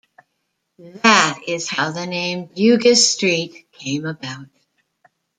That is how the name Bugis Street came about.